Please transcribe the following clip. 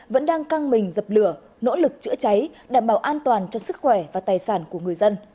vẫn đang căng mình dập lửa nỗ lực chữa cháy đảm bảo an toàn cho sức khỏe và tài sản của người dân